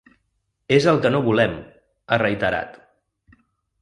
“És el que no volem”, ha reiterat.